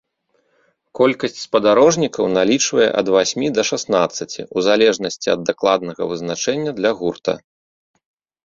Колькасць спадарожнікаў налічвае ад васьмі да шаснаццаці, у залежнасці ад дакладнага вызначэння для гурта.